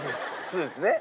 そうですね。